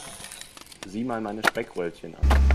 Sieh mal meine Speckröllchen an.